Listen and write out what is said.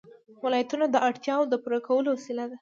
ولایتونه د اړتیاوو د پوره کولو وسیله ده.